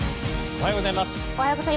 おはようございます。